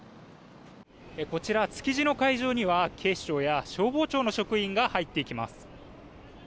こちら、築地の会場には警視庁や消防庁の職員が入っていきます。